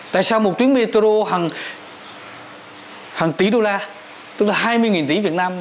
tại sao một tuyến metro hàng tỷ đô la tức là hai mươi tỷ việt nam